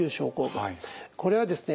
これはですね